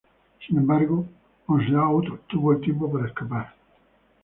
Sin embargo, Onslaught tuvo el tiempo para escapar.